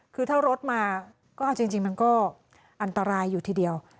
คือถ้ารถมาก็เอาจริงมันก็อันตรายอยู่ทีเดียว